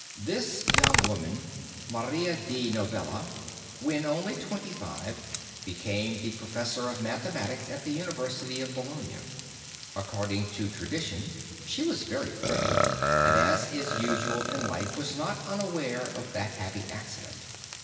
This young woman, Maria di Novella, when only twenty five became the Professor of mathematics at the University of Bologna. According to tradition she was very pretty and as is usual in life was not unaware of that happy accident.